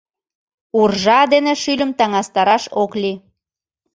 Уржа дене шӱльым таҥастараш ок лий.